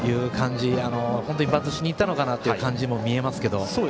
本当にバントしにいったのかなという感じがしますが。